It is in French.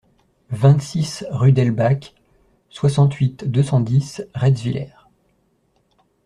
vingt-six rue d'Elbach, soixante-huit, deux cent dix, Retzwiller